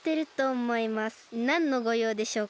なんのごようでしょうか？